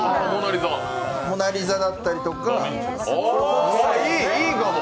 「モナ・リザ」だったりとか。